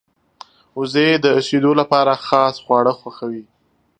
وزې د شیدو لپاره خاص خواړه خوښوي